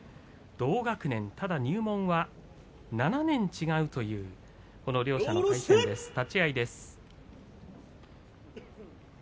同学年、ただ入門は７年違うという両者の対戦です。